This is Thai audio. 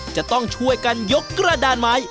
จะต้องช่วยกันยกกระดานไม้